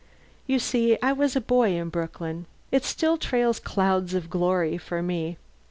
You see I was a boy in Brooklyn: it still trails clouds of glory for me.